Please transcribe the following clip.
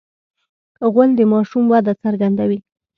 غول د ماشوم وده څرګندوي.